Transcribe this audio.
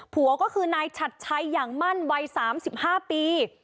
ผัวก็คือนายชัดชัยอย่างมั่นวัย๓๕ปี